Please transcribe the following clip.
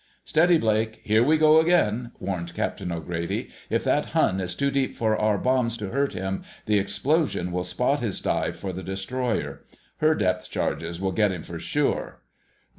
"Steady, Blake—here we go again!" warned Captain O'Grady. "If that Hun is too deep for our bombs to hurt him, the explosion will spot his dive for the destroyer. Her depth charges will get him for sure."